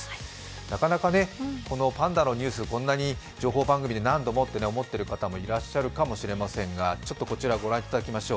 なかなかこのパンダのニュース、こんなに情報番組で何度もと思っている方もいらっしゃるかもしれませんがちょっとこちらをご覧いただきましょう。